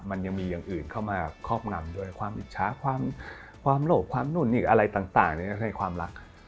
มันยังมีอย่างอื่นเข้ามาครอบงำด้วยความอิจฉาความโหลบความหนุ่นอีกอะไรต่างนี่ก็คือความรัก